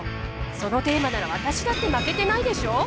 そのテーマなら私だって負けてないでしょ？